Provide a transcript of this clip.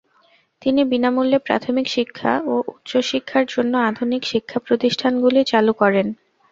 তিনি বিনামূল্যে প্রাথমিক শিক্ষা ও উচ্চশিক্ষার জন্য আধুনিক শিক্ষাপ্রতিষ্ঠানগুলি চালু করেন।